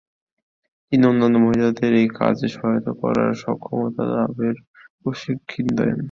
তিনি অন্যান্য মহিলাদের এই কাজে সহায়তা করার সক্ষমতা লাভের প্রশিক্ষণ দেন।